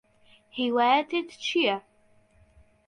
هیوایەتت چییە؟